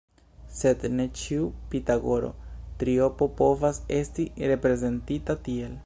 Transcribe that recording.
Sed ne ĉiu pitagoro triopo povas esti reprezentita tiel.